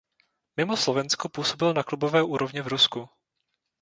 Mimo Slovensko působil na klubové úrovni v Rusku.